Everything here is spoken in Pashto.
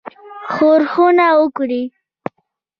ښورښونه وکړي.